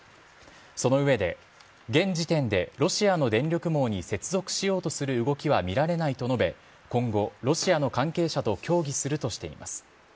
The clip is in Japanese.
その上で現時点でロシアの電力網に接続しようとする動きは見られないと述べ今後、ロシアの関係者と協議するとしています。